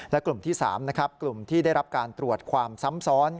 และกลุ่มที่๓นะครับกลุ่มที่ได้รับการตรวจความซ้ำซ้อน